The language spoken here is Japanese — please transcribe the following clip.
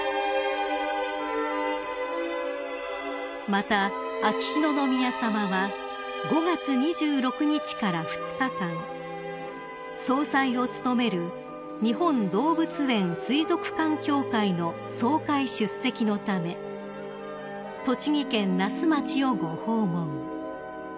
［また秋篠宮さまは５月２６日から２日間総裁を務める日本動物園水族館協会の総会出席のため栃木県那須町をご訪問］